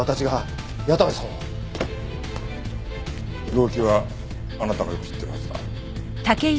動機はあなたがよく知ってるはずだ。